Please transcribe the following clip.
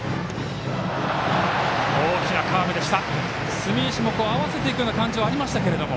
住石も合わせていくような感じありましたけども。